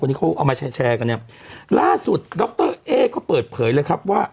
วันนี้เขาเอามาแชร์แชร์กันเนี่ยล่าสุดดรเอ๊ก็เปิดเผยเลยครับว่า